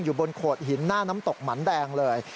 อยู่บนโขดหินหน้าน้ำตกหมันแดงเลย